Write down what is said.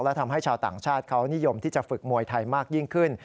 และทำให้ชาวต่างชาติเขานิยมที่จะฝึกมวยไทยมากยิ่งขึ้น